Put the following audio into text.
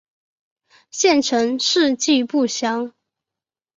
县成事迹不详。